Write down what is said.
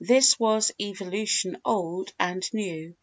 This was Evolution Old and New.